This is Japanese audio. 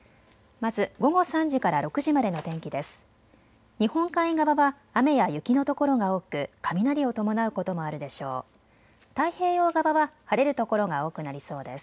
まず午後３時から６時までの天気です。